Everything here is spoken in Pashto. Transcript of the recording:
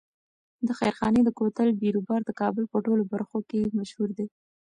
د خیرخانې د کوتل بیروبار د کابل په ټولو برخو کې مشهور دی.